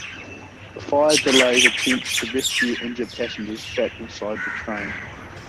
The fire delayed attempts to rescue injured passengers trapped inside the train.